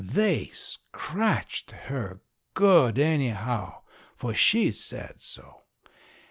They scratched her good, anyhow; for she said so.